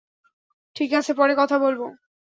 ঠিক আছে, পরে কথা বলব।